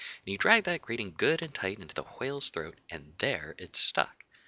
and he dragged that grating good and tight into the Whale's throat, and there it stuck!